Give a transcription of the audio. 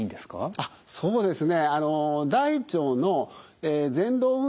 あっそうですね